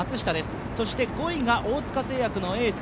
そして５位が大塚製薬のエース。